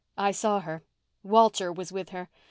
"I saw her. Walter was with her.